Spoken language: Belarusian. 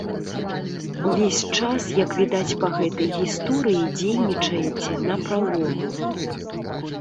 Увесь час, як відаць па гэтай гісторыі, дзейнічаеце напралом.